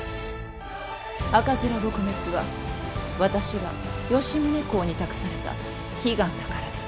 赤面撲滅は私が吉宗公に託された悲願だからです。